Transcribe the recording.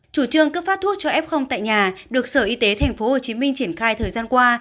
chủ trương cấp phát thuốc cho f tại nhà được sở y tế tp hcm triển khai thời gian qua